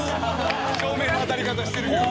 照明の当たり方してるけどな。